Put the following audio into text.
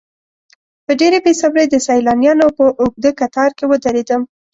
په ډېرې بې صبرۍ د سیلانیانو په اوږده کتار کې ودرېدم.